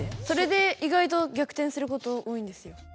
それで意外と逆転すること多いんですよ。